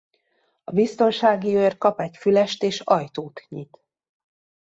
A boztonságiőr kap egy fülest és ajtót nyit.